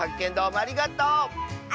ありがとう！